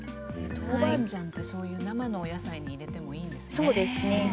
豆板醤ってそういう生のお野菜に入れてもいいんですね。